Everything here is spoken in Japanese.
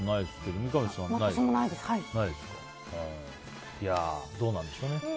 どうなんでしょうね。